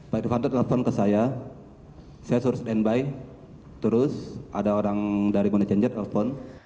pak irvanto telepon ke saya saya suruh standby terus ada orang dari money changer telepon